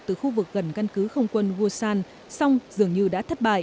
từ khu vực gần căn cứ không quân wosan song dường như